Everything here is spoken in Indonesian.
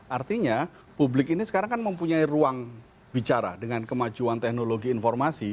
artinya publik ini sekarang kan mempunyai ruang bicara dengan kemajuan teknologi informasi